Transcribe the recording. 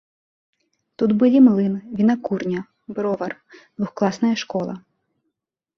Тут былі млын, вінакурня, бровар, двухкласная школа.